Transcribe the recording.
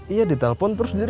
iya ditelepon terus diri